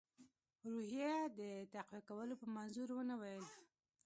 روحیې د تقویه کولو په منظور ونه ویل.